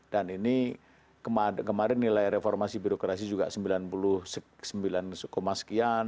dan ini kemarin nilai reformasi birokrasi juga sembilan puluh sembilan sekian